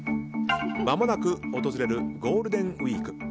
まもなく訪れるゴールデンウィーク。